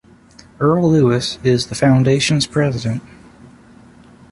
Earl Lewis is the Foundation's president.